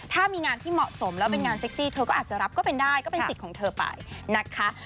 ถ้ามีงานที่เหมาะสมแล้วเป็นงานเซ็กซี่เธอก็อาจจะรับก็เป็นได้ก็เป็นสิทธิ์ของเธอไปนะคะ